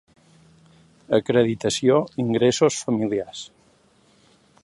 Acreditació ingressos familiars.